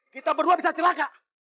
kita berdua bisa celaka